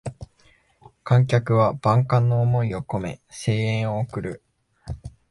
観客は万感の思いをこめ声援を送る